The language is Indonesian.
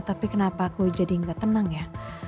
tapi kenapa aku jadi yang gak tenang ya